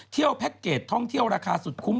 เที่ยวแพ็กเกจท่องเที่ยวราคาสุดคุ้ม